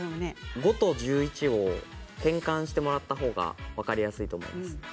「５」と「１１」を変換してもらったほうが分かりやすいと思います。